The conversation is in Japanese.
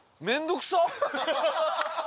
面倒くさっ！